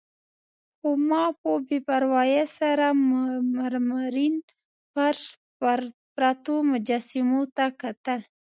خو ما په بې پروايي سره مرمرین فرش، پرتو مجسمو ته کتل.